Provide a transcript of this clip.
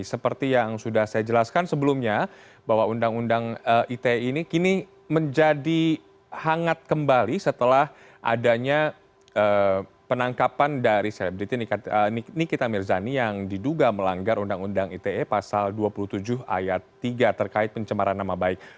seperti yang sudah saya jelaskan sebelumnya bahwa undang undang ite ini kini menjadi hangat kembali setelah adanya penangkapan dari selebritita mirzani yang diduga melanggar undang undang ite pasal dua puluh tujuh ayat tiga terkait pencemaran nama baik